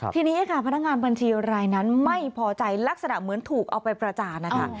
ทีนี้ค่ะพนักงานบัญชีรายนั้นไม่พอใจลักษณะเหมือนถูกเอาไปประจานนะคะ